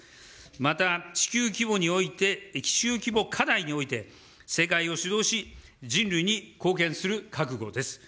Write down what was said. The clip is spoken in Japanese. また、地球規模において、地球規模課題において、世界を主導し、人類に貢献する覚悟です。